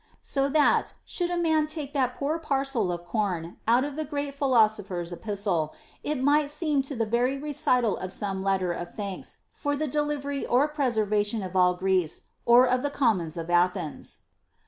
So that, should a man but take that poor parcel of corn out of the great philosophers epistle, it might seem to be the recital of some letter of thanks for the delivery or preservation of all Greece or of the commons of Athens.